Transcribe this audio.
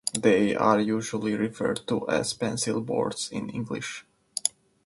They are usually referred to as pencil boards in English.